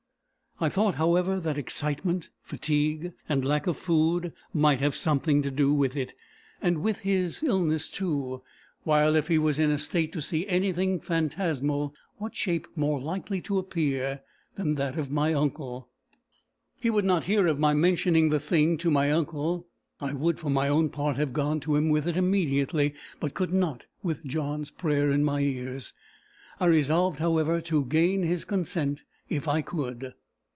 I thought, however, that excitement, fatigue, and lack of food, might have something to do with it, and with his illness too; while, if he was in a state to see anything phantasmal, what shape more likely to appear than that of my uncle! He would not hear of my mentioning the thing to my uncle. I would for my own part have gone to him with it immediately; but could not with John's prayer in my ears. I resolved, however, to gain his consent if I could.